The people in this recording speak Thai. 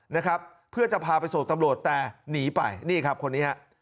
นะครับเพื่อจะพาไปส่งตำรวจแต่หนีไปนี่ครับคนนี้ฮะ